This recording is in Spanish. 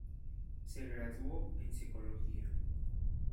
Se graduó en psicología.